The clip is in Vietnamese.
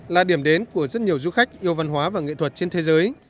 là điểm đến của rất nhiều du khách yêu văn hóa và nghệ thuật trên thế giới